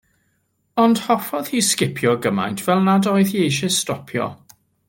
Ond hoffodd hi sgipio gymaint fel nad oedd hi eisiau stopio.